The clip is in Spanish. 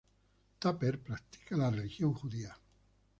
Tapper practica la religión judía.